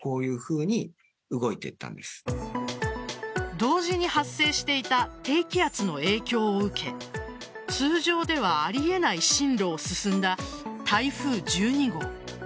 同時に発生していた低気圧の影響を受け通常ではありえない進路を進んだ台風１２号。